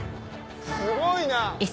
すごいな。